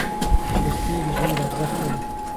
دوستي د ژوند ارزښت دی.